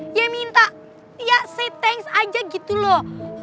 dia minta ya say thanks aja gitu loh